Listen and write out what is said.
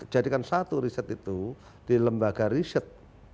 jadikan satu riset itu di lembaga riset